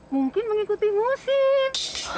mungkin mengikuti musim